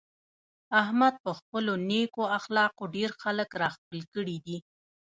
احمد په خپلو نېکو اخلاقو ډېر خلک را خپل کړي دي.